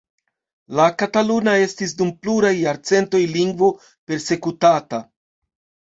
La kataluna estis dum pluraj jarcentoj lingvo persekutata.